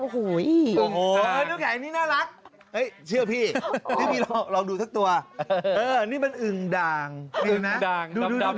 ถ้อึงด่างหรืออึงอ่างก็โหย